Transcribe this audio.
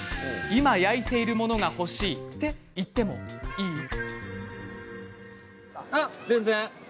今、焼いているものが欲しいって言ってもいいの？